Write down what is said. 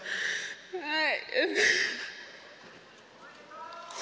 はい。